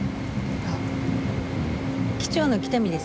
機長の喜多見です。